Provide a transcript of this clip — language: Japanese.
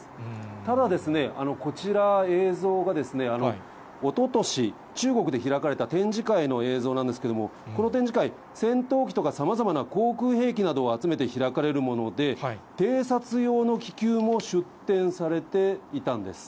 ただですね、こちら、映像がですね、おととし、中国で開かれた展示会の映像なんですけども、この展示会、戦闘機とかさまざまな航空兵器などを集めて開かれるもので、偵察用の気球も出展されていたんです。